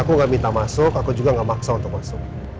aku nggak minta masuk aku juga gak maksa untuk masuk